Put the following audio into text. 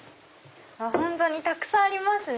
本当にたくさんありますね。